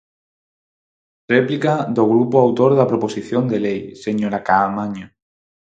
Réplica do grupo autor da proposición de lei, señora Caamaño.